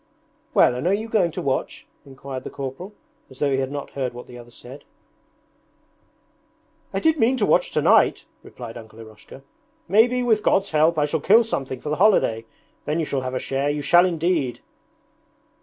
'Well, and are you going to watch?' inquired the corporal, as though he had not heard what the other said. 'I did mean to watch tonight,' replied Uncle Eroshka. 'Maybe, with God's help, I shall kill something for the holiday. Then you shall have a share, you shall indeed!'